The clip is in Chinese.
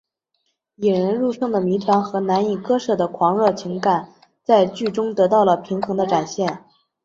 引人入胜的谜团和难以割舍的狂热情感在剧中得到了平衡的展现。